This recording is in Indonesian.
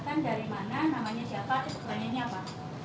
boleh sebutkan dulu namanya siapa dari media apa